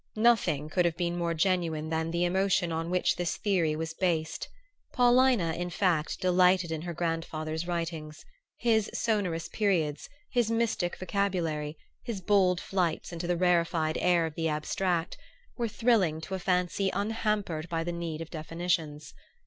Nothing could have been more genuine than the emotion on which this theory was based. Paulina, in fact, delighted in her grandfather's writings. His sonorous periods, his mystic vocabulary, his bold flights into the rarefied air of the abstract, were thrilling to a fancy unhampered by the need of definitions.